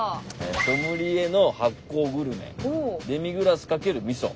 「ソムリエの発酵グルメデミグラス×みそ」。